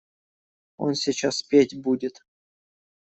Он сейчас петь будет.